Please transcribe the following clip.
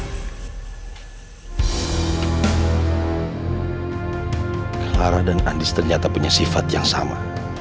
hara dan andis ternyata punya sifat yang sama